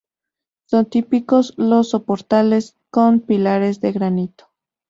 Son típicos los soportales con pilares de granito.